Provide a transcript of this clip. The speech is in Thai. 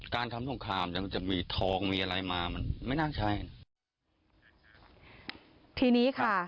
การทำสงครามยังมันจะมีทองมีอะไรมามันไม่น่าใช่ทีนี้ค่ะ